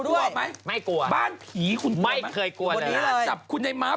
เรามาเป็นบ้านหนึ่งมา